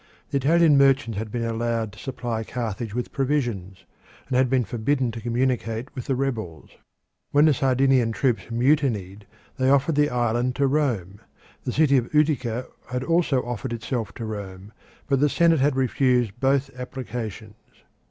The Italian merchants had been allowed to supply Carthage with provisions, and had been forbidden to communicate with the rebels. When the Sardinian troops mutinied they offered the island to Rome; the city of Utica had also offered itself to Rome, but the Senate had refused both applications.